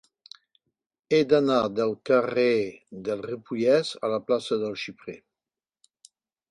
He d'anar del carrer del Ripollès a la plaça del Xiprer.